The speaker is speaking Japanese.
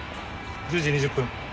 １０時２０分！